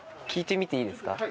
聞いてみていいですか？